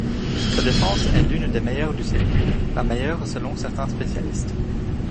Sa défense est l'une des meilleures du circuit, la meilleure selon certains spécialistes.